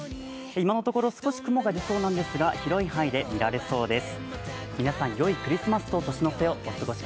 今のところ、少し雲が出そうなんですが広い範囲で見られそうです。